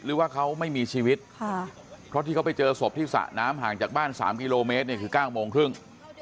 หรือว่าเขาไม่มีชีวิตเพราะที่เขาไปเจอศพที่สระน้ำห่างจากบ้าน๓กิโลเมตรเนี่ยคือ๙โมงครึ่ง